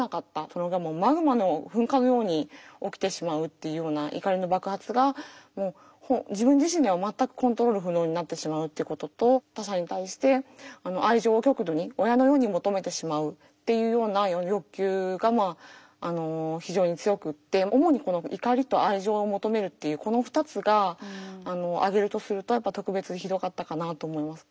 それがもうマグマの噴火のように起きてしまうっていうような怒りの爆発が自分自身では全くコントロール不能になってしまうっていうことと他者に対して愛情を極度に親のように求めてしまうっていうような欲求が非常に強くて主にこの怒りと愛情を求めるっていうこの２つが挙げるとすると特別ひどかったかなと思います。